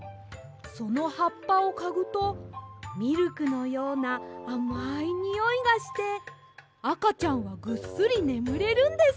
そのはっぱをかぐとミルクのようなあまいにおいがしてあかちゃんがぐっすりねむれるんです！